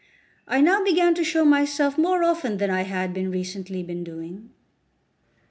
I now began to show myself more often than I had recently been doing. Note 1.